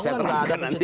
oke saya terangkan nanti